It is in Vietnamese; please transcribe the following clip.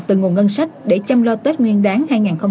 từ nguồn ngân sách để chăm lo tết nguyên đáng hai nghìn một mươi chín